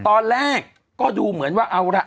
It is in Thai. ตอนแรกก็ดูเหมือนว่าเอาล่ะ